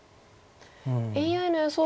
ＡＩの予想